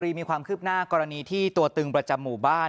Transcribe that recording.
มีความคืบหน้ากรณีที่ตัวตึงประจำหมู่บ้าน